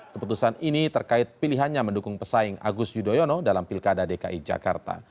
keputusan ini terkait pilihannya mendukung pesaing agus yudhoyono dalam pilkada dki jakarta